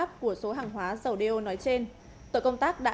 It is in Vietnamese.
phát hiện trên tàu